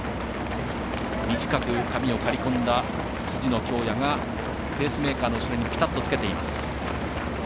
短く髪を刈り込んだ辻野恭哉がペースメーカーの後ろにぴたっとつけています。